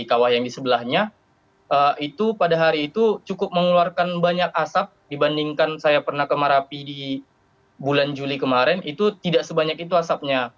jadi kawah yang di sebelahnya itu pada hari itu cukup mengeluarkan banyak asap dibandingkan saya pernah ke marapi di bulan juli kemarin itu tidak sebanyak itu asapnya